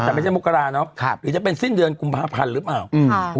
แต่ไม่ใช่มกราเนาะหรือจะเป็นสิ้นเดือนกุมภาพันธ์หรือเปล่า